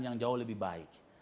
yang jauh lebih baik